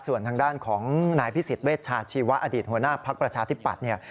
ส่วนทางด้านของนายพิศิษฐ์เวชาชีวะอดีตหัวหน้าพักประชาธิปัตย์